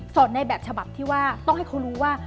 ในแบบฉบับที่ว่าต้องให้เขารู้ว่า